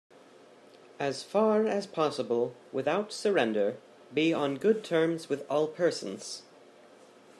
As far as possible, without surrender, be on good terms with all persons.